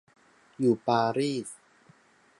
อยู่ปารีส